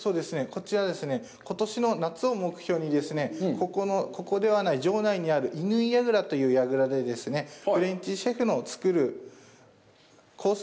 こちらはことしの夏を目標にここではない城内にある乾櫓という櫓でフレンチシェフの作るコース